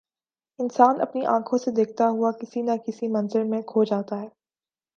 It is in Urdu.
انسان اپنی آنکھوں سے دیکھتا ہوا کسی نہ کسی منظر میں کھو جاتا ہے۔